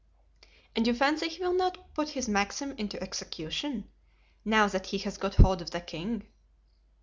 "And you fancy he will not put his maxim into execution, now that he has got hold of the king?"